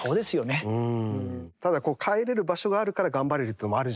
ただ帰れる場所があるから頑張れるっていうのもあるじゃないですか。